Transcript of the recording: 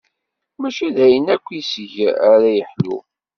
Mačči d ayen akk iseg ara yeḥlu.